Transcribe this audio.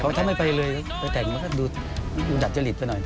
เพราะถ้าไม่ไปเลยก็ไปแต่งเพลงให้ดูดัดจริตไปหน่อย